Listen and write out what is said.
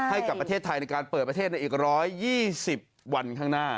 ให้กับประเทศไทยในการเปิดประเทศในอีก๑๒๐วันข้างหน้า